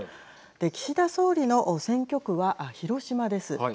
岸田総理の選挙区は広島です。